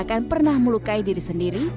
mereka yang pernah melukai diri sendiri